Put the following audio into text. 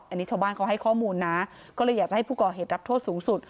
อันนี้ชาวบ้านเขาให้ข้อมูลนะก็เลยอยากจะให้ผู้ก่อเหตุรับโทษสูงสุด